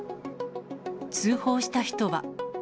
通報した人は。